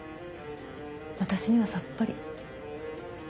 私にはさっぱり。